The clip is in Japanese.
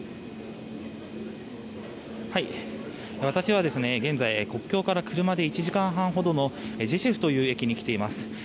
私は現在国境から車で１時間半ほどのジェシュフという駅に来ています。